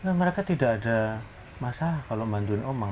nah mereka tidak ada masalah kalau membantuin omang